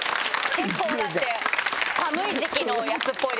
結構だって寒い時期のやつっぽいですもんね。